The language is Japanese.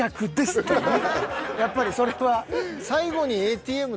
やっぱりそれは。